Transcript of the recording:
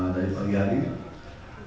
dari pagi hari ini